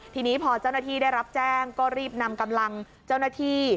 ทีนี้พอเจ้าหน้าที่ได้รับแจ้งก็รีบนำกำลังเจ้าหน้าที่